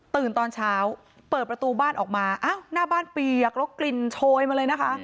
ตอนเช้าเปิดประตูบ้านออกมาอ้าวหน้าบ้านเปียกแล้วกลิ่นโชยมาเลยนะคะ